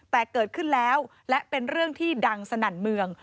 แต่เกิดขึ้นแล้วและเป็นเรื่องที่ดังสนั่นเมือง